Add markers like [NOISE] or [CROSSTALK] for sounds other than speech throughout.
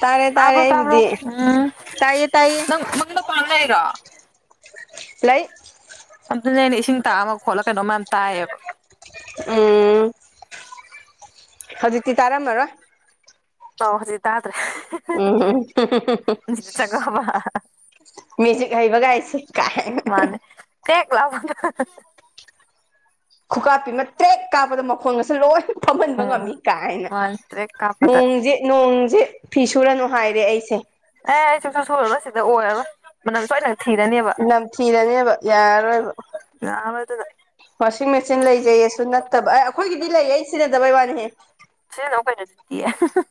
ꯇꯥꯔꯦ ꯇꯥꯔꯦ ꯇꯕ꯭ꯔꯣ ꯇꯥꯕ꯭ꯔꯣ ꯑꯩꯕꯨꯗꯤ ꯎꯝ ꯇꯥꯏꯌꯦ ꯇꯥꯏꯌꯦ ꯅꯪ ꯅꯪ [UNINTELLIGIBLE] ꯂꯩ ꯑꯗꯨꯅꯦ ꯑꯩꯟ ꯏꯁꯤꯡ ꯇꯥꯕ ꯃꯈꯣꯜꯂ ꯀꯩꯅꯣ ꯃꯌꯥꯝ ꯇꯥꯏꯑꯦꯕ ꯎꯝ ꯍꯧꯖꯤꯛꯇꯤ ꯇꯥꯔꯝꯃꯔꯣꯏ ꯇꯥꯎ ꯍꯧꯖꯤꯛ ꯇꯥꯗ꯭ꯔꯦ ꯍꯤ ꯍꯥ ꯎꯨꯝ ꯍꯨ ꯍꯨ ꯍꯨ ꯍ ꯃꯤꯖꯤꯛ ꯍꯩꯕꯒꯥꯏꯁꯦ ꯀꯥꯏꯅ ꯑꯍꯥ ꯀꯦꯛ ꯂꯥꯛꯄ [UNINTELLIGIBLE] ꯈꯨꯀꯥꯞꯄꯤꯃ ꯇ꯭ꯔꯦꯛ ꯀꯥꯞꯄꯗ ꯃꯈꯣꯟꯒꯁꯦ ꯂꯣꯏ ꯐꯝꯍꯟꯕ ꯎꯝ ꯉꯝꯃꯤ ꯀꯥꯏꯅ ꯃꯥꯅꯦ ꯇ꯭ꯔꯦꯛ ꯀꯥꯞꯄꯗ ꯅꯣꯡꯖꯦ ꯅꯣꯡꯖꯦ ꯐꯤ ꯁꯨꯔꯅꯨ ꯍꯥꯏꯔꯦ ꯑꯩꯁꯦ ꯑꯦ ꯑꯩ [UNINTELLIGIBLE] ꯁꯣꯏꯔꯔꯣꯏ ꯁꯤꯗ ꯑꯣꯏꯔꯔꯣꯏ ꯃꯅꯝ ꯁꯣꯏ ꯅꯝꯊꯤꯔ ꯅꯝꯊꯤꯔꯅꯦꯕ ꯌꯥꯔꯔꯣꯏꯕ ꯌꯥꯔꯔꯣꯏ ꯑꯗꯨꯅ ꯋꯥꯁꯤꯡ ꯃꯦꯆꯤꯟ ꯂꯩꯖꯩꯌꯦꯁꯨ ꯅꯠꯇꯕ ꯑꯦ ꯑꯩꯈꯣꯏꯒꯤꯗꯤ ꯂꯩ ꯑꯩ ꯁꯤꯟꯅꯗꯕꯩ ꯋꯥꯅꯤꯍꯦ ꯁꯤꯖꯤꯟꯅꯧ ꯀꯩꯅꯣ [UNINTELLIGIBLE]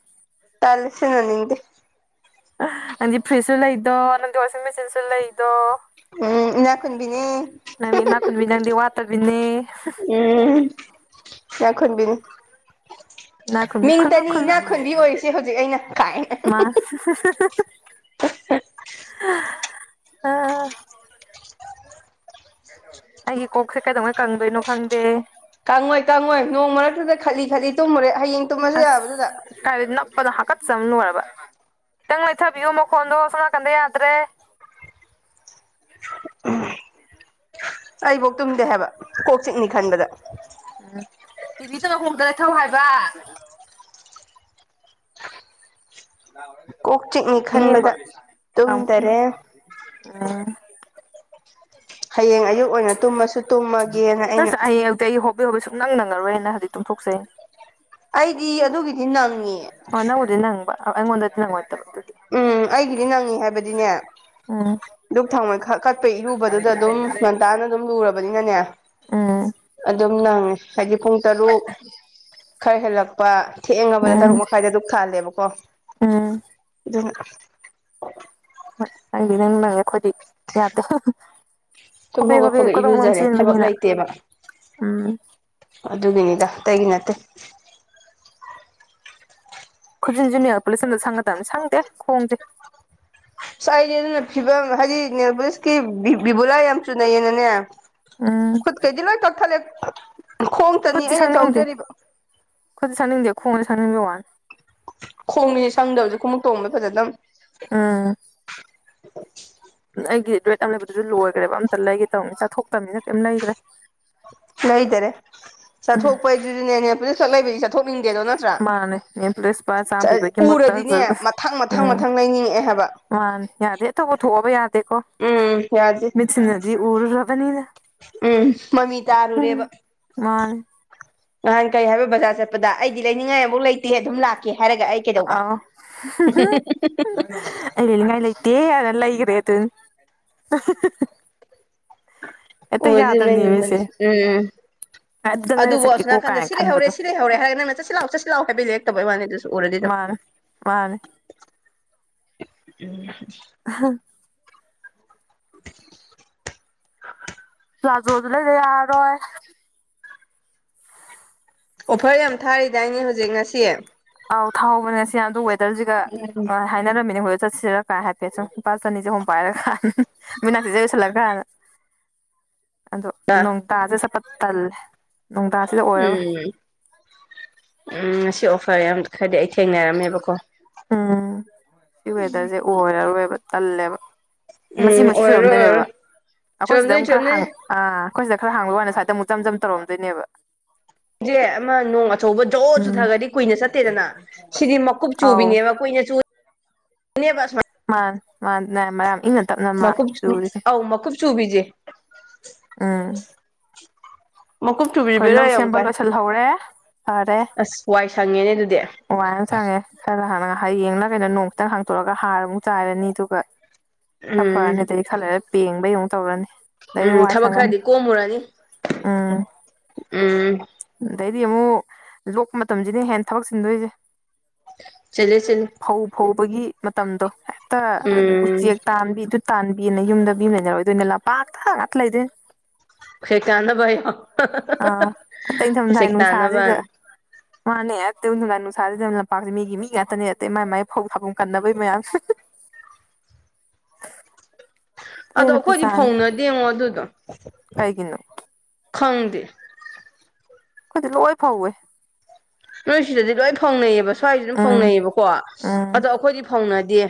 ꯇꯜꯂꯦ ꯁꯤꯖꯤꯟꯅꯅꯤꯡꯗꯦ ꯑꯥ ꯅꯪꯗꯤ ꯐ꯭ꯔꯤꯖꯁꯨ ꯂꯩꯗꯣ ꯅꯪꯗꯤ ꯋꯥꯁꯤꯡ ꯃꯦꯆꯤꯟꯁꯨ ꯂꯩꯗꯣ ꯎꯨꯝ ꯏꯅꯥꯈꯨꯟꯕꯤꯅꯦ ꯍꯥ ꯍꯥ ꯍ ꯗꯨ ꯅꯪꯗꯤ ꯋꯥꯠ ꯇꯕꯤꯅꯦ ꯎꯝ ꯏꯅꯥꯛꯈꯨꯟꯕꯤꯅꯤ ꯏꯅꯥꯛ ꯈꯨꯟꯕꯤ ꯈꯨꯜꯂꯨ ꯃꯤꯡꯇꯅꯤ ꯈꯨꯜꯂꯨ ꯏꯅꯥꯛꯈꯨꯟꯕꯤ ꯑꯣꯏꯔꯤꯁꯦ ꯍꯧꯖꯤꯛ ꯑꯩꯅ ꯀꯥꯏꯅ ꯑꯍꯥ ꯍꯥ ꯍꯥ ꯍꯥꯍꯥ ꯍꯥ ꯍꯥ ꯍ ꯍꯥ ꯑꯥ ꯑꯩꯒꯤ ꯀꯣꯛꯁꯦ ꯀꯩꯗꯧꯉꯩ ꯀꯪꯗꯣꯏꯅꯣ ꯈꯪꯗꯦ꯫ ꯀꯪꯉꯣꯏ ꯀꯪꯉꯣꯏ ꯅꯣꯡ ꯃꯔꯛꯇꯨꯗ ꯈꯠꯂꯤ ꯈꯠꯂꯤ ꯇꯨꯝꯃꯨꯔꯦ ꯍꯌꯦꯡ ꯇꯨꯝꯃꯁꯨ ꯑꯁ꯫ ꯌꯥꯕꯗꯨꯗ ꯀꯥꯏꯗꯩ ꯅꯞꯄꯗ ꯍꯥꯀꯠꯆꯕꯅ ꯂꯣꯏꯔꯕ ꯈꯤꯇꯪ ꯂꯩꯩꯊꯕꯤꯌꯣ ꯃꯈꯣꯟꯗꯣ ꯁꯣꯟ ꯅꯥꯀꯟꯗ ꯌꯥꯗ꯭ꯔꯦ꯫ ꯑꯩꯕꯥꯎ ꯇꯨꯝꯗꯦ ꯍꯥꯏꯕ ꯀꯣꯛ ꯆꯤꯛꯅꯤ ꯈꯟꯕꯗ꯫ ꯎꯝ ꯇꯤꯚꯤꯗꯣ ꯃꯈꯣꯟ ꯈꯔ ꯂꯩꯊꯧ ꯍꯥꯏꯕ꯫ ꯀꯣꯛ ꯆꯤꯛꯅꯤ ꯇꯤꯚꯤ ꯌꯦꯡꯕ ꯈꯟꯕꯗ ꯀꯥꯡꯕꯨ ꯇꯨꯝꯗꯔꯦ ꯑ꯫ ꯍꯌꯦꯡ ꯑꯌꯨꯛ ꯑꯣꯏꯅ ꯇꯨꯝꯃꯁꯨ ꯇꯨꯝꯃꯒꯦꯅ ꯑꯩꯅ ꯅꯪꯁ ꯍꯌꯦꯡ ꯑꯌꯨꯛꯇ ꯑꯩ ꯍꯣ ꯍꯣꯕꯦ ꯍꯣꯕꯦ ꯁꯨꯛꯅꯪ ꯅꯪꯉꯔꯣꯏꯅ ꯍꯧꯖꯤꯛ ꯇꯨꯝꯊꯣꯛꯆꯩ꯫ ꯑꯩꯗꯤ ꯑꯗꯨꯒꯤꯗꯤ ꯅꯪꯉꯦ꯫ ꯑꯣ ꯅꯪꯕꯨꯗꯤ ꯅꯪꯕ ꯑꯥ ꯑꯩꯉꯣꯟꯗꯗꯤ ꯅꯪꯉꯣꯏꯗꯕ ꯑꯗꯨ꯫ ꯎꯝ ꯑꯩꯒꯤꯗꯤ ꯅꯪꯉꯤ ꯍꯥꯏꯕꯗꯤꯅꯦ ꯎꯝ ꯗꯨꯛ ꯊꯥꯎꯃꯩ ꯈꯛ ꯀꯠꯄꯩ ꯏꯔꯨꯕꯗꯨꯗ ꯑꯗꯨꯝ ꯉꯟꯇꯥꯅ ꯑꯗꯨꯝ ꯂꯨꯔꯕꯅꯤꯅꯅꯦ ꯑꯣ꯫ ꯑꯗꯨꯝ ꯅꯪꯉꯦ ꯍꯥꯏꯗꯤ ꯄꯨꯡ ꯇꯔꯨꯛ ꯈꯔ ꯍꯦꯜꯂꯛꯄ ꯊꯦꯡꯉꯕꯗ ꯎꯝ ꯇꯔꯨꯛ ꯃꯈꯥꯏꯗ ꯗꯨꯛ ꯊꯥꯜꯂꯦꯕꯀꯣ꯫ ꯎꯝ꯫ ꯑꯗꯨꯅ ꯍꯣꯏ ꯅꯪꯗꯤ ꯏꯅꯪ ꯅꯪꯉꯦ ꯑꯩꯈꯣꯏꯗꯤ ꯌꯥꯗꯦ꯫ ꯇꯨꯝ ꯍꯣꯕꯦ ꯍꯧꯒꯠꯄꯒ ꯀꯣꯗꯣꯡꯂꯣꯝ ꯏꯔꯨꯖꯔꯦ ꯊꯕꯛ ꯆꯦꯟꯕꯤꯅꯤꯅ ꯂꯩꯇꯦꯕ꯫ ꯎꯝ ꯑꯗꯨꯒꯤꯅꯤꯗ ꯑꯇꯩꯒꯤ ꯅꯠꯇꯦ꯫ ꯈꯨꯖꯤꯟꯖꯨ ꯅꯦꯜ ꯄꯣꯂꯤꯁ ꯑꯝꯇ ꯁꯪꯒꯗꯝꯅꯦ ꯁꯪꯗꯦ ꯈꯣꯡꯖꯦ꯫ ꯑꯁ ꯑꯩꯗꯤ ꯑꯗꯨꯅ ꯐꯤꯕꯝ ꯍꯥꯏꯗꯤ ꯅꯦꯜ ꯄꯨꯂꯤꯁꯀꯤ ꯕꯤ ꯕꯤꯕꯨꯂꯥ ꯌꯥꯝ ꯆꯨꯅꯩꯌꯦꯅꯅꯦ ꯎꯝ ꯈꯨꯠꯀꯩꯗꯤ ꯂꯣꯏ ꯀꯛꯊꯠꯂꯦ ꯈꯣꯡꯇꯅꯤ ꯑꯩꯅ ꯁꯪꯅꯤꯡꯗꯦ ꯆꯧꯖꯔꯤꯕ꯫ ꯈꯨꯠꯇꯤ ꯁꯪꯅꯤꯡꯗꯦ ꯈꯣꯡꯁꯦ ꯁꯪꯅꯤꯡꯕꯩ ꯋꯥꯅꯤ꯫ ꯈꯣꯡꯅꯤꯅꯦ ꯁꯪꯗꯕꯖꯦ ꯈꯨꯃꯨꯛ ꯇꯣꯡꯕꯗ ꯐꯖꯗꯝ꯫ ꯑ꯫ ꯑꯩꯒꯤ ꯔꯦꯠ ꯑꯃ ꯂꯩꯕꯗꯨꯁꯨ ꯂꯣꯏꯈ꯭ꯔꯦꯕ ꯑꯝꯇ ꯂꯩꯒꯦ ꯇꯧꯅꯤ ꯆꯠꯊꯣꯛꯇꯕꯅꯤꯅ ꯀꯩꯝ ꯂꯩꯗꯔꯦ꯫ ꯂꯩꯗꯔꯦ ꯆꯠꯊꯣꯛꯄꯩꯗꯨꯁꯨꯅꯦ ꯅꯦꯜ ꯄꯣꯂꯤꯁ ꯈꯛ ꯂꯩꯕꯩꯗꯤ ꯆꯠꯊꯣꯛꯅꯤꯡꯗꯦꯗꯣ ꯅꯠ ꯇ꯭ꯔꯥ ꯃꯥꯅꯦ ꯅꯦꯝꯄ꯭ꯂꯦꯁ ꯂꯨꯄꯥ ꯆꯥꯝꯃ ꯆ ꯄꯤꯕꯒꯤꯃꯛꯇ ꯎꯔꯗꯤꯅꯦ ꯃꯊꯪ ꯃꯊꯪ ꯎꯝ ꯃꯊꯪ ꯂꯩꯅꯤꯡꯉꯛꯑꯦ ꯍꯥꯏꯕ꯫ ꯃꯥꯅꯦ ꯌꯥꯗꯦ ꯊꯣꯛꯄꯨ ꯊꯣꯛꯑꯕ ꯌꯥꯗꯦꯀꯣ꯫ ꯎꯝ ꯌꯥꯗꯦ꯫ ꯁꯤꯅꯗꯤ ꯎꯔꯨꯔꯕꯅꯤꯅ꯫ ꯎꯝ ꯃꯃꯤ ꯎꯝ ꯇꯥꯔꯨꯔꯦꯕ꯫ ꯃꯥꯅꯦ꯫ ꯅꯍꯥꯟ ꯀꯩ ꯍꯥꯏꯕ ꯕꯖꯥꯔ ꯆꯠꯄꯗ ꯑꯩꯗꯤ ꯂꯩꯅꯤꯡꯉꯥꯏ ꯑꯝꯕꯨꯛ ꯂꯩꯇꯦ ꯑꯗꯨꯝ ꯂꯥꯛꯀꯦ ꯍꯥꯏꯔꯒ ꯑꯩ ꯑꯥ ꯀꯩꯗꯧꯕ ꯑꯣ꯫ ꯑꯩ ꯂꯩꯅꯤꯡꯉꯥꯏ ꯂꯩꯇꯦ ꯍꯥꯏꯔ ꯂꯩꯒ꯭ꯔꯦ ꯑꯗꯨꯅꯤ꯫ ꯍꯦꯛꯇ ꯎꯔꯗꯤ ꯑꯗꯨꯝ ꯌꯥꯗꯕꯅꯦꯃꯤ ꯂꯩꯅꯤꯡꯕꯅꯤ ꯁꯦ ꯎꯝ ꯎꯝ ꯎꯝ꯫ ꯑꯗꯨꯗꯪ ꯂꯩꯔ ꯑꯗꯨꯕꯨ ꯑꯁꯣꯟ ꯆꯠꯀꯦꯀꯣ ꯅꯥꯀꯟꯗ ꯀꯥꯏꯅ ꯁꯤ ꯂꯩꯍꯧꯔꯦ ꯈꯟꯕꯗꯣ ꯁꯤ ꯂꯩꯍꯧꯔꯦ ꯍꯥꯏꯔꯒ ꯅꯪꯅ ꯆꯠꯁꯤ ꯂꯥꯎ ꯆꯠꯁꯤ ꯁꯤ ꯂꯥꯎ ꯍꯥꯏꯕꯩ ꯂꯩꯔꯛꯇꯕꯩ ꯋꯥꯅꯦ ꯑꯗꯨꯁꯨ ꯎꯔꯗꯤ ꯑꯗꯨꯝ꯫ ꯃꯥꯅꯦ ꯃꯥꯅꯦ ꯎꯝ꯫ ꯑꯍ꯫ ꯄ꯭ꯂꯥꯖꯣꯖꯨ ꯂꯩꯗ ꯌꯥꯔꯔꯣꯏ꯫ ꯑꯣꯐꯔ ꯌꯥꯝ ꯊꯥꯔꯤꯗꯥꯏꯅꯦ ꯍꯧꯖꯤꯛ ꯉꯁꯤ ꯑꯧ ꯊꯥꯎꯕꯅꯦ ꯉꯁꯤ ꯑꯗꯣ ꯋꯦꯗꯔꯁꯤꯒ ꯑꯥ ꯍꯥꯏꯅꯔꯝꯃꯤꯅꯦ ꯍꯣꯏ ꯆꯠꯁꯤꯔ ꯀꯥꯏ ꯍꯥꯏꯐꯦꯠ ꯁꯨꯝ ꯂꯨꯄꯥ ꯆꯅꯤ ꯆꯍꯨꯝ ꯄꯥꯏꯔꯒꯥꯟ [UNINTELLIGIBLE] ꯃꯤꯅꯥꯛꯁꯤꯖꯦ ꯑꯣꯏꯁꯤꯂꯒꯥꯅ [INAUDIBLE] ꯑꯗꯣ ꯑ ꯅꯣꯡꯇꯥꯗꯤ ꯁꯄꯠ ꯇꯜꯂꯦ ꯅꯣꯡꯇꯥꯗꯤꯗꯣ ꯎꯝ ꯎꯝ ꯉꯁꯤ ꯑꯣꯐꯔ ꯌꯥꯝ ꯈꯔꯗꯤ ꯑꯩ ꯊꯦꯡꯅꯔꯝꯃꯦꯕꯀꯣ ꯎꯝ ꯁꯤ ꯋꯦꯗꯔꯁꯦ ꯑꯣꯏꯔꯔꯣꯏꯕ ꯇꯜꯂꯦꯕ ꯃꯆꯤ ꯎꯝ ꯃꯆꯤ ꯑꯣꯏꯔꯔꯣꯏ ꯆꯨꯔꯝꯗꯣꯏꯅꯦꯕ ꯑꯣꯏꯔꯔꯣꯏ ꯑꯈꯣꯏ ꯁꯤꯗ ꯆꯨꯝꯗꯣꯏꯅꯤ ꯑꯃꯨꯛ ꯈꯔ ꯍꯥꯡꯉ ꯆꯨꯝꯗꯣꯏꯅꯤ ꯑꯥ ꯈꯣꯏ ꯁꯤꯗ ꯈꯔ ꯍꯥꯡꯕ ꯋꯥꯅꯦ ꯁ꯭ꯋꯥꯏꯗ ꯑꯃꯨꯛ ꯖꯝ ꯖꯝ ꯇꯧꯔꯝꯗꯣꯏꯅꯦꯕ ꯖꯦ ꯑꯃ ꯅꯣꯡ ꯑꯆꯧꯕ ꯖꯣ ꯎꯝ ꯆꯨꯊꯈ꯭ꯔꯗꯤ ꯀꯨꯏꯅ ꯆꯠꯇꯦꯗꯅ ꯁꯤꯗꯤ ꯃꯀꯨꯞ ꯑꯧ ꯆꯨꯕꯤꯅꯦ [UNINTELLIGIBLE] [UNINTELLIGIBLE] ꯇꯞꯅ ꯃꯥ ꯃꯀꯨꯞ ꯆꯨꯔꯤ ꯑꯧ ꯃꯀꯨꯞ ꯆꯨꯕꯤꯖꯦ ꯎꯝ ꯃꯀꯨꯞ ꯆꯨꯕꯤꯖꯦ ꯈꯣꯏ ꯂꯧ ꯕꯦꯔꯥ ꯌꯥꯝ ꯁꯦꯝꯕ ꯀꯥꯏ ꯂꯣꯏꯁꯤꯜꯍꯧꯔꯦ ꯐꯔꯦ ꯑꯁ ꯋꯥꯏ ꯁꯪꯉꯦꯅꯦ ꯑꯗꯨꯗꯤ ꯋꯥꯏ ꯑꯝ ꯁꯪꯉꯦ ꯈꯔ ꯍꯥꯟꯅ ꯍꯌꯦꯡꯂꯥ ꯀꯩꯅꯣ ꯅꯣꯡ ꯈꯤꯇꯪ ꯍꯥꯡꯇꯣꯔꯑꯒ ꯍꯥꯔ ꯑꯃꯨꯛ ꯆꯥꯏꯔꯅꯤ ꯑꯗꯨꯒ ꯈꯔ ꯎꯝ ꯐꯔꯅꯤ ꯑꯗꯩ ꯈꯥ ꯂꯩꯔꯥ ꯄꯦꯡꯕꯩ ꯑꯃꯨꯛ ꯇꯧꯔꯅꯤ ꯑꯗꯩꯗꯤ ꯎꯝ ꯋꯥꯏ ꯊꯕꯛ ꯁꯪꯉꯅꯤ ꯈꯔꯗꯤ ꯀꯣꯝꯃꯨꯔꯅꯤ ꯎꯝ ꯎꯝ ꯑꯗꯩꯗꯤ ꯑꯃꯨꯛ ꯂꯣꯛꯄ ꯃꯇꯝꯁꯤꯅ ꯍꯦꯟꯅ ꯊꯕꯛ ꯆꯤꯟꯗꯣꯏꯁꯦ ꯆꯤꯟꯂꯦ ꯆꯤꯟ ꯐꯧ ꯐꯧꯕꯒꯤ ꯃꯇꯝꯗꯣ ꯍꯦꯛꯇ ꯎꯝ ꯎꯆꯦꯛ ꯇꯥꯟꯕꯤꯗꯨ ꯇꯥꯟꯕꯤꯅ ꯌꯨꯝꯗ ꯃꯤ ꯂꯩꯅꯔꯣꯏꯗꯣꯏꯅꯦ ꯂꯝꯄꯥꯛꯇ ꯉꯥꯛꯇ ꯂꯩꯗꯣꯏꯅꯦ ꯆꯦꯛ ꯇꯥꯟꯅꯕꯥꯌꯣ [UNINTELLIGIBLE] ꯏꯪꯊꯝꯊꯥꯏ ꯅꯨꯡꯁꯥꯁꯤꯗ ꯃꯥꯅꯦ ꯑꯇꯨ ꯅꯤ [UNINTELLIGIBLE] ꯅꯨꯡꯁꯥꯁꯤꯗ ꯂꯝꯄꯥꯛꯁꯦ ꯃꯤꯒꯤ ꯃꯤ ꯉꯥꯛꯇꯅꯦ ꯑꯇꯩ ꯃꯥꯏ ꯃꯥꯏ ꯐꯧ ꯊꯥꯐꯝ ꯀꯟꯅꯕꯩ ꯃꯌꯥꯝ [UNINTELLIGIBLE] ꯑꯗꯣ ꯑꯈꯣꯏꯗꯤ ꯄꯦꯜꯂꯕꯖꯥꯠꯅꯤ ꯐꯧꯅꯗꯦꯉꯣ ꯑꯗꯨꯗꯣ ꯀꯩꯒꯤꯅꯣ ꯈꯪꯗꯦ ꯈꯣꯏꯗꯤ ꯂꯣꯏ ꯐꯧꯋꯦ ꯅꯣꯏ ꯁꯤꯗꯗꯤ ꯂꯣꯏ ꯐꯧꯅꯩꯌꯦꯕ ꯁ꯭ꯋꯥꯏꯁꯤ ꯗꯨꯝ ꯎꯝ ꯐꯧꯅꯩꯌꯦꯕꯀꯣ ꯑꯗꯣ ꯑꯈꯣꯏꯗꯤ ꯐꯧꯅꯗꯦ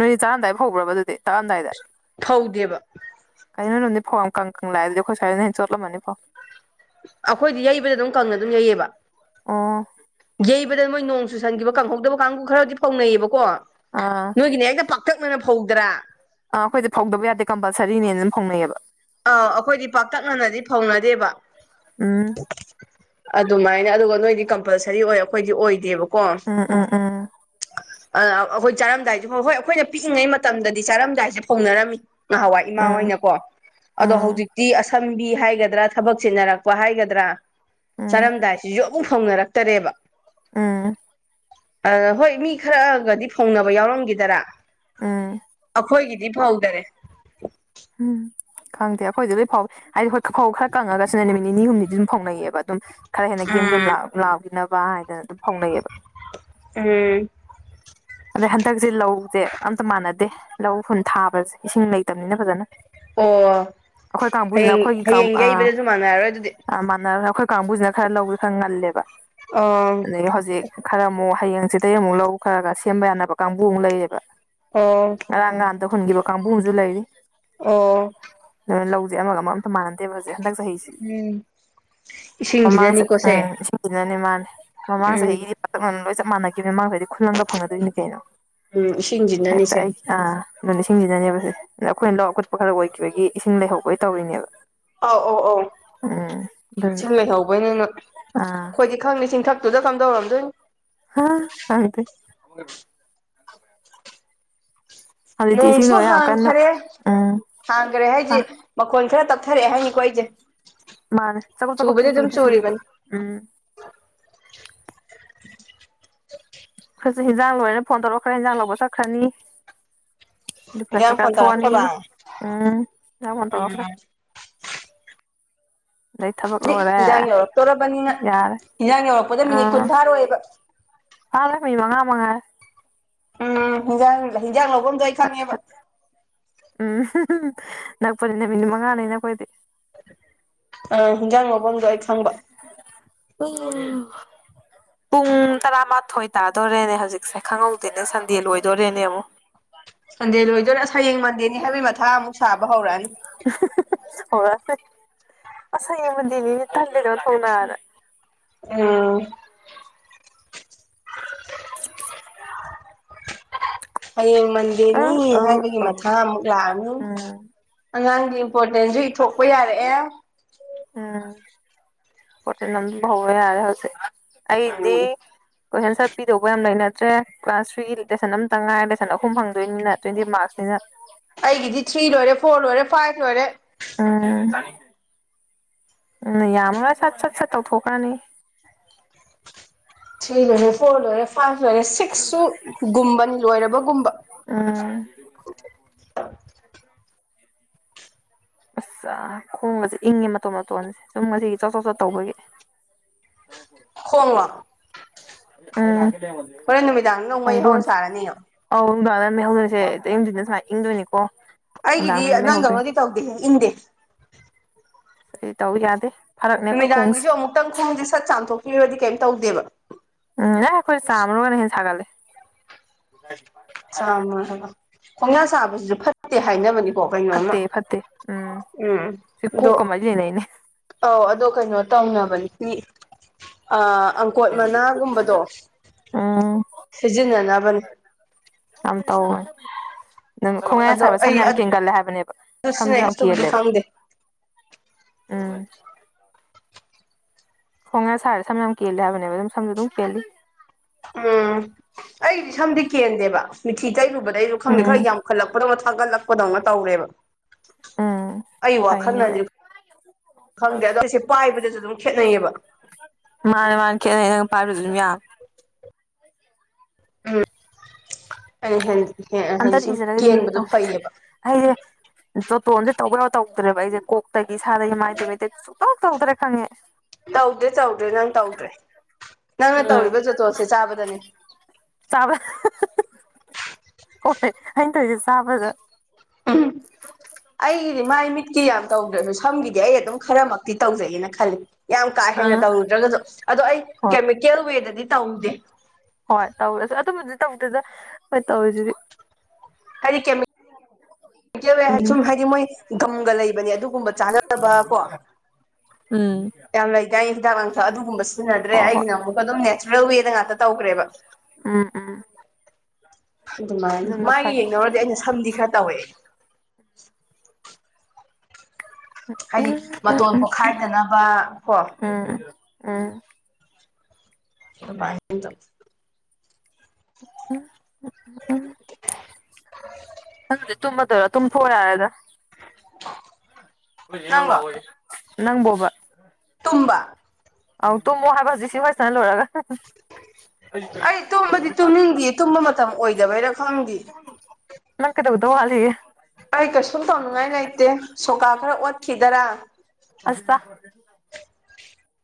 ꯅꯣꯏ ꯆꯥꯔꯝꯗꯥꯏ ꯐꯧꯕꯔ꯭ꯕ ꯑꯗꯨꯗꯤ ꯇꯛ ꯑꯃꯗꯥꯏꯗꯥ ꯐꯧꯗꯦꯕ [UNINTELLIGIBLE] ꯅꯣꯏꯔꯣꯝꯗꯤ ꯐꯧ ꯌꯥꯝ ꯀꯪ ꯀꯪꯅ ꯂꯥꯛꯑꯦ ꯑꯗꯨꯗꯤ ꯑꯈꯣꯏ ꯁꯋ꯭ꯥꯏꯗꯥꯅ ꯍꯦꯟꯅ ꯆꯣꯠꯂꯝꯃꯅꯤ ꯐꯧ ꯑꯈꯣꯏꯗꯤ ꯌꯩꯕꯗ ꯗꯨꯝ ꯀꯪꯅ ꯑꯗꯨꯝ ꯌꯩꯌꯦꯕ ꯑꯣ ꯌꯩꯕꯗ ꯃꯣꯏ ꯅꯣꯡ ꯆꯨꯁꯟꯈꯤꯕ ꯀꯪꯍꯧꯗꯕ ꯀꯥꯡꯕꯨ ꯈꯔꯗꯤ ꯐꯧꯅꯩꯌꯦꯕꯀꯣ ꯑꯥ ꯅꯣꯏꯒꯤꯅ ꯍꯦꯛꯇ ꯄꯥꯛꯇꯛꯅꯅ ꯐꯧꯗ꯭ꯔꯥ ꯑꯥ ꯑꯈꯣꯏꯗꯤ ꯐꯧꯗꯕ ꯌꯥꯗꯦ ꯀꯝꯄꯜꯁꯔꯤꯅꯦꯅ ꯑꯗꯨꯝ ꯐꯧꯅꯩꯌꯦꯕ ꯑꯧ ꯑꯈꯣꯏꯗꯤ ꯄꯥꯛꯇꯛꯅꯅꯗꯤ ꯐꯧꯅꯗꯦꯕ ꯎꯝ ꯑꯗꯨꯃꯥꯏꯅ ꯑꯗꯨꯒ ꯅꯣꯏꯗꯤ ꯀꯝꯄꯜꯁꯔꯤ ꯑꯣꯏ ꯑꯈꯣꯏꯗꯤ ꯑꯣꯏꯗꯦꯕꯀꯣ ꯎꯝ ꯎꯝ ꯎꯝ ꯑꯥ ꯑꯈꯣꯏ ꯆꯥꯔꯝꯗꯥꯏꯁꯦ ꯍꯣꯏ ꯑꯈꯣꯏꯅ ꯄꯤꯛꯏꯉꯩ ꯃꯇꯝꯗꯗꯤ ꯆꯥꯔꯝꯗꯥꯏꯁꯦ ꯐꯧꯅꯔꯝꯃꯤ ꯅꯍꯥꯋꯥꯏ ꯏꯃꯥ ꯎꯝ ꯍꯣꯏꯅꯀꯣ ꯑꯗꯣ ꯎꯝ ꯍꯧꯖꯤꯛꯇꯤ ꯑꯁꯝꯕꯤ ꯍꯥꯏꯒꯗ꯭ꯔꯥ ꯊꯕꯛ ꯆꯤꯟꯅꯔꯛꯄ ꯍꯥꯏꯒꯗ꯭ꯔꯥ ꯎꯝ ꯆꯥꯔꯝꯗꯥꯏꯁꯤꯁꯨ ꯃꯨ ꯐꯧꯅꯔꯛꯇꯔꯦꯕ ꯎꯝ ꯑꯥ ꯍꯣꯏ ꯃꯤ ꯈꯔꯒꯗꯤ ꯐꯧꯅꯕ ꯌꯥꯎꯔꯝꯒꯤꯗꯔꯥ ꯎꯝ ꯑꯈꯣꯏꯒꯤꯗꯤ ꯐꯧꯗꯔꯦ ꯎꯝ ꯈꯪꯗꯦ ꯑꯈꯣꯏꯗꯤ ꯂꯣꯏ ꯐꯧꯑꯦ ꯍꯥꯏꯗꯤ ꯈꯣꯏ ꯐꯧ ꯈꯔ ꯀꯪꯉꯒꯁꯨꯅꯦ ꯅꯨꯃꯤꯠ ꯅꯤꯅꯤ ꯍꯨꯝꯅꯤꯗꯤ ꯑꯗꯨꯝ ꯐꯧꯅꯩꯌꯦꯕ ꯑꯗꯨꯝ ꯈꯔ ꯍꯦꯟꯅ ꯒꯦꯝ ꯒꯦꯝ ꯎꯝ ꯂꯥꯎ ꯂꯥꯎꯈꯤꯅꯕ ꯍꯥꯏꯗꯅ ꯑꯗꯨꯝ ꯐꯧꯅꯩꯌꯦꯕ ꯎꯝ ꯑꯗꯩ ꯍꯟꯗꯛꯁꯦ ꯂꯧꯁꯦ ꯑꯝꯇ ꯃꯥꯟꯅꯗꯦ ꯂꯧ ꯍꯨꯟ ꯊꯥꯕꯁꯦ ꯏꯁꯤꯡ ꯂꯩꯇꯕꯅꯤꯅ ꯐꯖꯅ ꯑꯣ ꯑꯩꯈꯣꯏ ꯍꯌꯦ ꯀꯥꯡꯕꯨꯁꯤꯅ ꯑꯩꯈꯣꯏꯒꯤ ꯀꯥꯡ ꯍꯌꯦꯡ ꯌꯩꯕꯗꯁꯨ ꯃꯥꯟꯅꯔꯔꯣꯏ ꯑꯗꯨꯗꯤ ꯑꯥ ꯃꯥꯟꯅꯔ ꯑꯈꯣꯏ ꯀꯥꯡꯕꯨꯁꯤꯅ ꯈꯔ ꯂꯧꯁꯨ ꯈꯔ ꯉꯜꯂꯦꯕ ꯑꯣ ꯑꯗꯒꯤ ꯍꯧꯖꯤꯛ ꯈꯔ ꯑꯃꯨꯛ ꯍꯌꯦꯡ ꯍꯪꯁꯤꯠꯇꯒꯤ ꯑꯃꯨꯛ ꯂꯧ ꯈꯔ ꯈꯔ ꯁꯦꯝꯕ ꯌꯥꯅꯕ ꯀꯥꯡꯕꯨ ꯑꯃꯨꯛ ꯂꯩꯌꯦꯕ ꯑꯣ ꯉꯔꯥꯡ ꯅꯍꯥꯟꯇ ꯍꯨꯟꯈꯤꯕ ꯀꯥꯡꯕꯨ ꯑꯃꯁꯨ ꯂꯩꯔꯤ ꯑꯣ ꯅ ꯂꯧꯁꯦ ꯑꯃꯒ ꯑꯃ ꯃꯥꯟꯅꯗꯦꯕ ꯍꯧꯖꯤꯛ ꯍꯟꯗꯛ ꯆꯍꯤꯁꯦ ꯎꯝ ꯃꯃꯥꯡ ꯆ ꯏꯁꯤꯡꯁꯤꯅꯅꯤꯀꯣꯁꯦ ꯎꯝ ꯏꯁꯤꯡ ꯁꯤꯅꯅꯦ ꯃꯥꯅꯦ ꯃꯃꯥꯡ ꯎꯝ ꯆꯍꯤꯒꯤꯗꯤ ꯄꯥꯛꯇꯛꯅꯅ ꯂꯣꯏ ꯆꯞ ꯃꯥꯟꯅꯈꯤꯕꯅꯦ ꯃꯃꯥꯡꯒꯩꯗꯤ ꯈꯨꯜꯂꯪꯒ ꯐꯪꯅꯗꯣꯏꯅꯤ ꯀꯩꯅꯣ ꯎꯝ ꯍꯦꯛꯇ ꯏꯁꯤꯡꯖꯤꯅꯅꯤꯁꯦ ꯑꯩ ꯑꯥ ꯑꯗꯨꯅꯦ ꯏꯁꯤꯡꯁꯤꯅꯅꯦꯕꯁꯦ ꯑꯗꯣ ꯑꯈꯣꯏꯅ ꯂꯧ ꯑꯀꯨꯠꯄ ꯈꯔ ꯑꯣꯏꯈꯤꯕꯒꯤ ꯏꯁꯤꯡ ꯂꯩꯍꯧꯕꯩ ꯇꯧꯔꯤꯅꯦꯕ ꯑꯧ ꯑꯧ ꯑꯧ ꯎꯝ ꯑꯗꯨ ꯏꯁꯤꯡ ꯂꯩꯍꯧꯕꯩꯅꯦ ꯅꯣꯏ ꯑꯥ ꯑꯈꯣꯏꯗꯤ ꯈꯪꯗꯦ ꯆꯤꯡꯊꯛꯇꯨꯗ ꯀꯝꯗꯧꯔꯝꯗꯣꯏꯅꯣ ꯍꯥ ꯍꯥꯏꯗꯤ ꯍꯧꯖꯤꯛꯇꯤ ꯅꯣꯡꯁꯨ ꯏꯁꯤꯡꯗꯣ ꯌꯥꯝ ꯀꯟꯅ ꯍꯥꯡꯈꯔꯦ ꯎꯝ ꯍꯥꯡꯒꯔꯦ ꯍꯥꯏꯁꯦ ꯃꯈꯣꯟ ꯈꯔ ꯇꯞꯊꯔꯛꯑꯦ ꯍꯥꯏꯅꯤꯀꯣ ꯑꯩꯁꯦ ꯃꯥꯅꯦ ꯆꯒꯨꯞ ꯆꯨꯕꯗꯤ ꯆꯒꯨꯞꯇꯤ ꯑꯗꯨꯝ ꯆꯨꯗꯤ ꯆꯨꯔꯤꯕ ꯆꯨꯔꯤꯕꯅꯤ ꯎꯝ ꯑꯈꯣꯏꯁꯨ ꯍꯤꯟꯖꯥꯡ ꯂꯣꯏꯔꯦ ꯐꯣꯟ ꯇꯧꯔꯛꯈ꯭ꯔꯦ ꯍꯤꯟꯖꯥꯡ ꯂꯧꯕ ꯆꯠꯈ꯭ꯔꯅꯤ ꯑꯗꯨꯒ ꯏꯟꯖꯥꯡ ꯆꯥꯛ ꯐꯣꯟ ꯆꯥꯊꯣꯛꯑꯅꯤ ꯇꯧꯔꯛꯇ꯭ꯔꯕ ꯎꯝ ꯌꯥꯝꯉꯟ ꯇꯧꯔꯈꯔꯦ ꯎꯝ ꯊꯕꯛ ꯁꯤ ꯂꯣꯏꯔꯦ ꯍꯤꯟꯖꯥꯡ ꯌꯧꯔꯛꯇꯣꯔꯕꯅꯤꯅ ꯌꯥꯔꯦ ꯍꯤꯟꯖꯥꯡ ꯌꯧꯔꯛꯄꯗ ꯃꯤꯅꯤꯠ ꯀꯨꯟ ꯑꯥ ꯐꯥꯔꯣꯏꯕ ꯐꯥꯔꯣꯏ ꯃꯤꯅꯤꯠ ꯃꯉꯥ ꯃꯉꯥꯏꯔꯦ ꯎꯝ ꯍꯤꯟꯖꯥꯡ ꯍꯤꯟꯖꯥꯡ ꯂꯧꯕꯗꯣ ꯑꯩ ꯐꯠ ꯈꯪꯉꯦꯕ ꯐꯠ ꯎꯝ ꯅꯛꯄꯅꯤ ꯅꯨꯃꯤꯠ ꯃꯉꯥꯅꯤꯅ ꯑꯈꯣꯏꯗꯤ ꯑꯥ ꯍꯤꯟꯖꯥꯡ ꯂꯧꯕꯝꯗꯣ ꯑꯩ ꯈꯪꯕ ꯎꯝ ꯄꯨꯡ ꯇꯔꯥꯃꯥꯊꯣꯏ ꯇꯥꯗꯣꯔꯦꯅꯦ ꯍꯧꯖꯤꯛꯁꯦ ꯈꯪꯍꯧꯗꯦꯅꯦ ꯁꯟꯗꯦ ꯂꯣꯏꯗꯣꯔꯦꯅꯦ ꯑꯃꯨꯛ ꯁꯟꯗꯦ ꯂꯣꯏꯗꯣꯏꯔꯦ ꯑꯁ ꯍꯌꯦꯡ ꯃꯟꯗꯦꯅꯤ ꯍꯥꯏꯕꯒꯤ ꯃꯊꯥ ꯑꯃꯨꯛ ꯁꯥꯕ ꯍꯧꯔꯛꯑꯅꯤ ꯍꯧꯔꯛꯑꯅꯤ ꯑꯁ ꯍꯌꯦꯡ ꯃꯟꯗꯦꯅꯤꯅꯦ ꯇꯟꯂꯦꯗ ꯑꯣꯟꯊꯣꯛꯅꯅ ꯎꯝ [INAUDIBLE] ꯍꯌꯦꯡ ꯃꯟꯗꯦꯅꯤ ꯎꯝ ꯑꯧ ꯍꯥꯏꯕꯒꯤ ꯑꯧ ꯃꯊꯥ ꯑꯃꯨꯛ ꯂꯥꯛꯑꯅꯤ ꯎꯝ ꯑꯉꯥꯡꯒꯤ ꯏꯝꯄꯣꯔꯇꯦꯟꯁꯨ ꯏꯊꯣꯛꯄ ꯌꯥꯔꯛꯑꯦ ꯎꯝ ꯄꯣꯔꯇꯦꯟ ꯅꯝꯕ ꯍꯧꯕ ꯌꯥꯔꯦ ꯍꯧꯖꯤꯛ ꯑꯩꯗꯤ ꯎꯝ ꯀꯣꯏꯁꯟ ꯑꯟꯁꯔ ꯄꯤꯗꯧꯕ ꯌꯥꯝ ꯂꯩꯅꯗ꯭ꯔꯦ ꯀ꯭ꯂꯥꯁ ꯊ꯭ꯔꯤꯒꯤ ꯂꯦꯁꯟ ꯑꯝꯇꯪ ꯉꯥꯏ ꯂꯦꯁꯟ ꯑꯍꯨꯝ ꯐꯪꯗꯣꯏꯅꯤꯅ ꯇ꯭ꯋꯦꯟꯇꯤ ꯃꯥꯔꯛꯁꯅꯤꯅ ꯑꯩꯒꯤꯗꯤ ꯊ꯭ꯔꯤ ꯂꯣꯏꯔꯦ ꯐꯣꯔ ꯂꯣꯏꯔꯦ ꯐꯥꯏꯚ ꯂꯣꯏꯔꯦ ꯎꯝ ꯃꯌꯥꯝ ꯑꯃ ꯁꯠ ꯁꯠ ꯁꯠ ꯇꯧꯊꯣꯛꯈ꯭ꯔꯅꯤ ꯊ꯭ꯔꯤ ꯂꯣꯏꯔꯦ ꯐꯣꯔ ꯂꯣꯏꯔꯦ ꯐꯥꯏꯚ ꯂꯣꯏꯔꯦ ꯁꯤꯛꯁꯁꯨ ꯒꯨꯝꯕꯅꯤ ꯂꯣꯏꯔꯕꯒꯨꯝꯕ ꯎꯝ [INAUDIBLE] ꯑꯁ ꯑ ꯈꯣꯡꯒꯁꯦ ꯏꯪꯉꯦ ꯃꯇꯣꯟ ꯃꯇꯣꯟꯁꯦ ꯁꯨꯝ ꯉꯁꯤꯒꯤ ꯆꯣꯠ ꯆꯣꯠ ꯆꯣꯠ ꯇꯧꯕꯒꯤ [INAUDIBLE] ꯈꯣꯡꯂꯣ ꯎꯝ ꯍꯣꯔꯦꯟ ꯅꯨꯃꯤꯗꯥꯡꯗꯅ ꯑꯃꯨ ꯃꯩ ꯍꯧꯔ ꯈꯣꯡꯗꯣꯟꯁꯦ ꯁꯥꯔꯅꯤꯌꯣ ꯑꯧ ꯅꯨꯡꯗꯥꯡꯗꯅ ꯃꯩ ꯍꯧꯗꯣꯏꯁꯦ ꯑꯌꯨꯛ ꯅꯨꯡꯗꯤꯟꯗ ꯁꯨꯃꯥꯏ ꯏꯪꯗꯣꯏꯅꯤꯀꯣ ꯑꯩꯒꯤꯗꯤ ꯅꯨꯡꯗꯥꯡꯗꯅ ꯃꯩ ꯍꯧꯗꯣꯏꯅꯤ ꯅꯪꯗꯧꯅꯗꯤ ꯇꯧꯗꯦꯍꯦ ꯏꯪꯗꯦ ꯑꯩ ꯇꯧꯏ ꯌꯥꯗꯦ ꯐꯔꯛꯅꯦ ꯑꯩꯈꯣꯏ ꯈꯣꯡꯁꯦ ꯅꯨꯃꯤꯗꯥꯡꯒꯤꯁꯨ ꯑꯃꯨꯛꯇꯪ ꯈꯣꯡꯁꯦ ꯁꯠ ꯆꯥꯝꯊꯣꯛꯄꯤꯔꯗꯤ ꯀꯩꯝ ꯇꯧꯗꯦꯕ ꯎꯝ ꯑꯦ ꯈꯣꯏ ꯆꯥꯝꯃꯨꯔꯒꯅ ꯍꯦꯟꯅ ꯁꯥꯒꯠꯂꯤ [INAUDIBLE] [UNINTELLIGIBLE] ꯈꯣꯡꯌꯥ ꯁꯥꯕꯁꯤꯁꯨ ꯐꯠꯇꯦ ꯍꯥꯏꯅꯕꯅꯤ ꯀꯣ ꯀꯩꯅꯣꯝꯃ ꯐꯠꯇꯦ ꯐꯠꯇꯦ ꯎꯝ ꯗꯣ ꯗꯦꯅꯩꯅꯦ ꯑꯧ ꯑꯗꯣ ꯀꯩꯅꯣ ꯇꯧꯅꯕꯅꯤ ꯃꯤ ꯑꯥ ꯑꯪ ꯀꯣꯠ ꯃꯅꯥꯒꯨꯝꯕꯗꯣ ꯎꯝ ꯁꯤꯖꯤꯟꯅꯅꯕꯅꯦ ꯌꯥꯝ ꯇꯧꯋꯦ ꯅꯪ ꯈꯣꯡꯌꯥ ꯁꯥꯕ ꯁꯝ ꯌꯥꯝ ꯀꯦꯡꯒꯜꯂꯦ ꯍꯥꯏꯕꯅꯦꯕ ꯑꯁꯤꯅꯦ ꯁꯝꯁꯨ ꯌꯥꯝ ꯑꯁꯨꯕꯗꯨ ꯀꯦꯜꯂꯦꯕ ꯈꯪꯗꯦ ꯎꯝ ꯈꯣꯡꯌꯥ ꯁꯥꯔꯗꯤ ꯁꯝ ꯌꯥꯝ ꯀꯦꯜꯂꯦ ꯍꯥꯏꯕꯅꯦꯕ ꯑꯗꯨꯅ ꯁꯝꯁꯨ ꯑꯗꯨꯝ ꯀꯦꯜꯂꯤ ꯎꯝ ꯑꯩꯗꯤ ꯁꯝꯗꯤ ꯀꯦꯟꯗꯦꯕ ꯃꯤꯊꯤ ꯇꯩꯔꯨꯕꯗꯩ ꯑꯩꯁꯨ ꯈꯪꯗꯦ ꯎꯝ ꯈꯔ ꯌꯥꯝ ꯈꯠꯂꯛꯄꯗꯧꯅ ꯊꯥꯒꯠꯂꯛꯄꯗꯧꯅ ꯇꯧꯔꯦꯕ ꯎꯝ ꯑꯩ ꯐꯩꯅꯦ ꯑꯗꯣ ꯋꯥꯈꯟꯅꯗꯤ ꯈꯪꯗꯦ ꯑꯗꯣ [UNINTELLIGIBLE] ꯄꯥꯏꯕꯗꯁꯨ ꯗꯨꯝ ꯈꯦꯠꯅꯩꯌꯦꯕ ꯃꯥꯅꯦ ꯃꯥꯅꯦ ꯈꯦꯠꯅꯩ ꯅꯪ ꯄꯥꯏꯕꯁꯨ ꯗꯨꯝ ꯌꯥꯝ ꯎꯝ ꯑꯝꯇꯗꯤ [UNINTELLIGIBLE] ꯏꯖꯔꯒ ꯌꯦꯡꯒꯦ ꯀꯦꯟꯕꯗꯣ ꯇꯧꯅꯦ ꯐꯩꯌꯦꯕ ꯑꯩꯁꯦ ꯖꯣꯇꯣꯟꯁꯦ ꯇꯧꯕ ꯌꯥꯕ ꯇꯧꯗ꯭ꯔꯦꯕ ꯑꯩꯁꯦ ꯀꯣꯛꯇꯒꯤ ꯏꯁꯥꯗꯒꯤ ꯃꯥꯏꯗꯩ ꯃꯤꯠꯇꯩ ꯁꯨꯛꯇꯧ ꯇꯧꯗ꯭ꯔꯦ ꯈꯪꯉꯦ ꯇꯧꯗ꯭ꯔꯦ ꯇꯧꯗ꯭ꯔꯦ ꯅꯪ ꯇꯧꯗ꯭ꯔꯦ ꯅꯪꯅ ꯎꯝ ꯇꯧꯔꯤꯕ ꯖꯣꯇꯣꯟꯁꯦ ꯆꯥꯕꯗꯅꯤ ꯆꯥꯕ ꯍꯣꯏ ꯑꯩꯅ ꯇꯧꯔꯤꯁꯦ ꯆꯥꯕꯗ ꯎꯝ ꯑꯩꯒꯤꯗꯤ ꯃꯥꯏ ꯃꯤꯠ ꯀꯤ ꯌꯥꯝ ꯇꯧꯗ꯭ꯔꯁꯨ ꯁꯝꯒꯤꯗꯤ ꯑꯩ ꯑꯗꯨꯝ ꯈꯔꯃꯛꯇꯤ ꯇꯧꯖꯩꯅ ꯈꯜꯂꯤ ꯌꯥꯝ ꯀꯥ ꯍꯦꯟꯅ ꯑꯥ ꯇꯧꯔꯨꯗ꯭ꯔꯒꯁꯨ ꯑꯗꯣ ꯑꯩ ꯍꯣꯏ ꯀꯦꯃꯤꯀꯦꯜ ꯋꯦꯗꯗꯤ ꯇꯧꯗꯦ ꯍꯣꯏ ꯇꯧꯔꯁꯨ ꯑꯗꯨꯝꯕꯨꯗꯤ ꯇꯧꯗꯦꯗ ꯍꯣꯏ ꯇꯧꯔꯤꯁꯤꯗꯤ ꯑꯩ ꯀꯦꯃꯤ ꯀꯦꯜ ꯋꯦꯗ ꯎꯝ ꯁꯨꯝ ꯍꯥꯏꯗꯤ ꯃꯣꯏ ꯒꯝꯒ ꯂꯩꯕꯅꯦ ꯑꯗꯨꯒꯨꯝꯕ [UNINTELLIGIBLE] ꯀꯣ ꯎꯝ ꯌꯥꯝ ꯂꯩꯗꯥꯏ ꯍꯤꯗꯥꯛ ꯂꯥꯡꯊꯛ ꯑꯗꯨꯒꯨꯝꯕ ꯁꯤꯖꯤꯟꯅꯗ꯭ꯔꯦ ꯍꯣꯏ ꯍꯣꯏ ꯑꯩꯒꯤꯅ ꯑꯃꯨꯛꯀ ꯑꯗꯨꯝ ꯅꯦꯆꯔꯦꯜ ꯋꯦꯗ ꯉꯥꯛꯇ ꯇꯧꯈ꯭ꯔꯦꯕ ꯎꯝ ꯎꯝ ꯑꯗꯨꯃꯥꯏꯅ ꯑꯗꯨꯅ ꯃꯥꯏꯒ ꯐꯩ ꯌꯦꯡꯅꯧꯔꯗꯤ ꯑꯩꯅ ꯁꯝꯗꯤ ꯈꯔ ꯇꯧꯋꯦ ꯎꯝ ꯍꯥꯏꯗꯤ ꯃꯇꯣꯟ ꯎꯝ ꯄꯣꯛꯈꯥꯏꯗꯅꯕ ꯀꯣ ꯎꯝ ꯎꯝ [UNINTELLIGIBLE] ꯎꯝ ꯎꯝ ꯎꯝ ꯎꯝ ꯎꯝ [INAUDIBLE] ꯇꯨꯝꯃꯗꯣꯏꯔꯥ ꯇꯨꯝ ꯊꯣꯛꯑꯣ ꯌꯥꯔꯦꯗ ꯑꯈꯣꯏ ꯅꯦꯅꯥ ꯂꯧ ꯅꯪꯂꯣ ꯂꯥꯛꯑꯣꯌꯦ ꯅꯪꯕꯣꯕ ꯇꯨꯝꯕ ꯑꯧ ꯇꯨꯝꯃꯣ ꯍꯥꯏꯕ ꯁꯤ ꯋꯥꯔꯤ ꯁꯥꯟꯅ ꯂꯣꯏꯔꯒ ꯑꯩ ꯇꯨꯝꯕꯗꯤ ꯇꯨꯝꯅꯤꯡꯗꯦ ꯇꯨꯝꯕ ꯃꯇꯝ ꯑꯣꯏꯗꯕꯩꯔꯥ ꯈꯪꯗꯦ ꯅꯪ ꯀꯩꯗꯧꯗꯧ ꯋꯥꯠꯂꯤꯒꯦ ꯑꯩ ꯀꯩꯁꯨꯝ ꯇꯧꯅꯤꯡꯉꯥꯏ ꯂꯩꯇꯦ ꯁꯣꯀꯥ ꯈꯔ ꯑꯣꯠꯈꯤꯗꯥꯔꯥ ꯑꯁ ꯇꯥ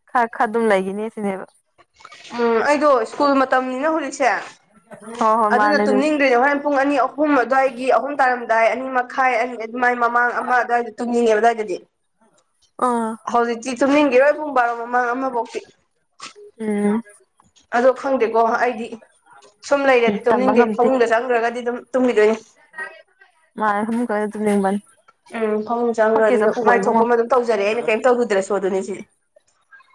ꯈꯔꯈꯔ ꯑꯗꯨꯝ ꯂꯩꯒꯤꯅꯦ ꯁꯤꯅꯦꯕ ꯎꯝ ꯑꯩꯗꯣ ꯁ꯭ꯀꯨꯜ ꯃꯇꯝꯅꯤꯅ ꯍꯧꯖꯤꯛꯁꯦ ꯍꯣꯏ ꯍꯣꯏ ꯑꯗꯨꯅ ꯃꯥꯅꯦ ꯑꯗꯨ ꯇꯨꯝꯅꯤꯡꯗ꯭ꯔꯤꯅꯦ ꯍꯣꯔꯦꯟ ꯄꯨꯡ ꯑꯅꯤ ꯑꯍꯨꯝ ꯑꯗꯨꯋꯥꯏꯒꯤ ꯑꯍꯨꯝ ꯇꯥꯔꯝꯗꯥꯏ ꯑꯅꯤ ꯃꯈꯥꯏ ꯑꯅꯤ ꯃꯥꯏ ꯃꯃꯥꯡ ꯑꯃ ꯑꯗꯨꯋꯥꯏꯗꯗꯤ ꯇꯨꯝꯅꯤꯡꯉꯦꯕ ꯑꯗꯨꯋꯥꯏꯗꯗꯤ ꯑꯥ ꯍꯧꯖꯤꯛꯇꯤ ꯇꯨꯝꯅꯤꯡꯒꯤꯔꯣꯏ ꯄꯨꯡ ꯕꯥꯔꯣ ꯃꯃꯥꯡ ꯑꯃꯕꯧꯛꯇꯤ ꯎꯝ ꯑꯗꯣ ꯈꯪꯗꯦꯀꯣ ꯑꯩꯗꯤ ꯁꯨꯝ ꯂꯩꯔꯗꯤ ꯇꯝꯕ ꯇꯨꯝꯅꯤꯡꯗꯦ ꯐꯃꯨꯡꯗ ꯆꯪꯈ꯭ꯔꯒꯗꯤ ꯑꯗꯨꯝ ꯇꯨꯝꯒꯤꯗꯣꯏꯅꯦ ꯃꯥꯟꯅꯦ ꯐꯃꯨꯡ ꯀꯥꯈꯠꯂꯗꯤ ꯇꯨꯝꯅꯤꯡꯅꯕꯅꯤ ꯎꯝ ꯐꯝꯃꯨꯡ ꯆꯪꯈ꯭ꯔꯗꯤ ꯑꯩꯁꯨ ꯃꯥꯏ ꯊꯣꯛꯄ ꯑꯃ ꯑꯗꯨꯝ ꯇꯧꯖꯔꯛꯑꯦ ꯑꯩꯅ ꯀꯩꯝ ꯇꯧꯔꯨꯗ꯭ꯔꯁꯨ ꯑꯗꯨꯅꯤ ꯁꯤꯗꯤ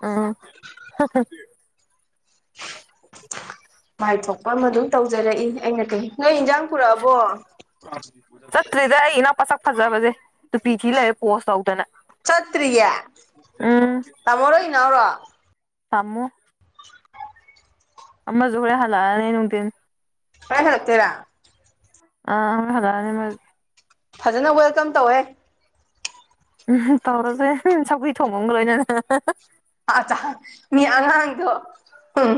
ꯎꯝ [INAUDIBLE] ꯃꯥꯏ ꯊꯣꯛꯄ ꯑꯃ ꯑꯗꯨꯝ ꯇꯧꯖꯔꯛꯏ ꯑꯩꯅ ꯀꯩ ꯅꯣꯏ ꯏꯟꯖꯥꯡ ꯄꯨꯔꯛꯑꯕꯣ ꯆꯠꯇ꯭ꯔꯤꯗ ꯑꯩ ꯏꯅꯥꯎꯄꯥ ꯁꯛ ꯐꯖꯕꯁꯦ ꯇꯨꯄꯤ ꯊꯤ ꯂꯩꯔꯦ ꯄꯣꯁ ꯇꯧꯗꯅ ꯆꯠꯇ꯭ꯔꯤꯌꯦ ꯎꯝ ꯇꯝꯃꯣꯔꯣ ꯏꯅꯥꯎꯔꯣ ꯇꯥꯃꯣ ꯑꯃꯖꯨ ꯍꯣꯔꯦꯟ ꯍꯜꯂꯛꯑꯅꯤ ꯅꯨꯡꯗꯤꯟ ꯍꯣꯔꯦꯟ ꯍꯂꯛꯇꯣꯏꯔꯥ ꯑꯥ ꯍꯣꯔꯦꯟ ꯍꯜꯂꯛꯑꯥꯅꯤ ꯑꯃꯖꯨ ꯐꯖꯅ ꯋꯦꯜꯀꯝ ꯇꯧꯍꯦ ꯎꯝ ꯇꯧꯔꯥꯗꯣꯏꯟ ꯁꯧꯒ꯭ꯔꯤ ꯊꯣꯡꯕ ꯑꯃꯒ ꯂꯣꯏꯅꯅ ꯑꯆꯥ ꯃꯤ ꯑꯉꯥꯡꯗ ꯎꯝ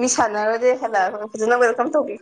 ꯃꯤ ꯁꯥꯟꯅꯔꯨꯕꯗꯒꯤ ꯍꯥꯜꯂꯛ ꯑꯒ ꯐꯖꯟꯅ ꯋꯦꯜꯀꯝ ꯇꯧꯕꯤꯌꯨ